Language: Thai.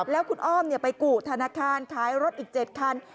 แล้วคุณอ้อมไปกู่ธนาคารขายรถอีก๗คัน